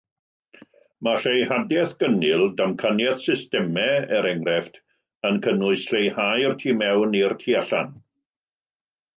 Mae lleihadaeth gynnil-damcaniaeth systemau, er enghraifft-yn cynnwys lleihau'r tu mewn i'r tu allan.